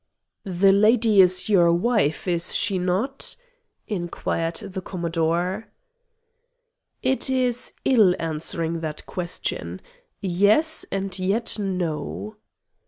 "The lady is your wife, is she not?" inquired the Commodore. "It is ill answering that question. Yes, and yet No."